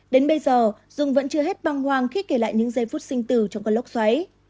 đến bây giờ dung vẫn chưa hết băng hoang khi kể lại những giây phút sinh tử trong con lốc xoáy